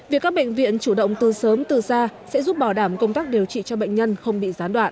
việc các bệnh viện chủ động từ sớm từ xa sẽ giúp bảo đảm công tác điều trị cho bệnh nhân không bị gián đoạn